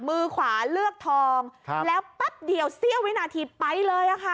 มือขวาเลือกทองแล้วแป๊บเดียวเสี้ยววินาทีไปเลยค่ะ